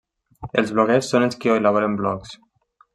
Els bloguers són els qui elaboren blogs.